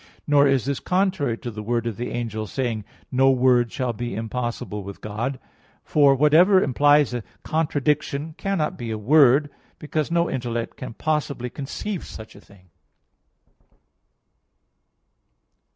Nor is this contrary to the word of the angel, saying: "No word shall be impossible with God." For whatever implies a contradiction cannot be a word, because no intellect can possibly conceive such a thing.